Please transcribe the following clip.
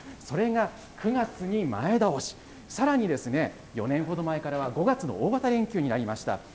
それが９月に前倒し、さらに４年ほど前からは、５月の大型連休になりました。